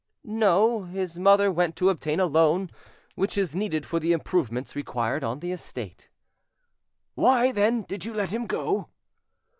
"No; his mother went to obtain a loan which is needed for the improvements required on the estate." "Why, then, did you let him go?"